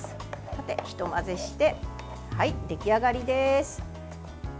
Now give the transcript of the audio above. ひと混ぜして出来上がりです。